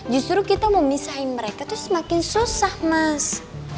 justru kita mau misahin mereka tuh semakin susah mas